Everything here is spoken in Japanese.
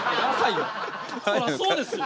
そらそうですよ。